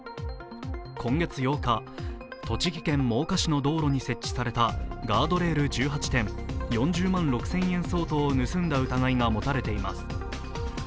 今月８日、栃木県真岡市の道路に設置されたガードレール１８点、４０万６０００円相当を盗んだ疑いが持たれています。